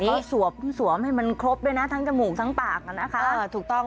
แล้วก็สวมสวมให้มันครบด้วยนะทั้งจมูกทั้งปากนะคะเออถูกต้อง